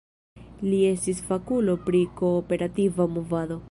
Li estis fakulo pri kooperativa movado.